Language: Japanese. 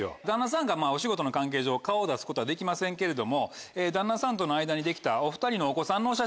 旦那さんがお仕事の関係上顔を出すことはできませんけれども旦那さんとの間にできたお２人の。